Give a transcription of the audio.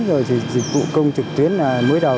rồi thì dịch vụ công trực tuyến mới đầu